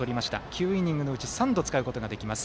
９イニングのうち３度、使うことができます。